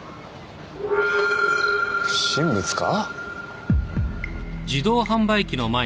不審物か？